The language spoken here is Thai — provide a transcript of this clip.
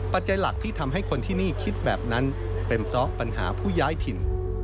จัยหลักที่ทำให้คนที่นี่คิดแบบนั้นเป็นเพราะปัญหาผู้ย้ายถิ่น